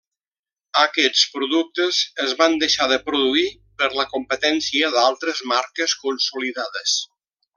Aquests productes es van deixar de produir per la competència d’altres marques consolidades.